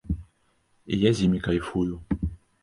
І я з імі кайфую.